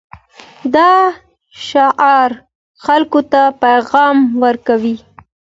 دا شعار خلکو ته پیغام ورکوي.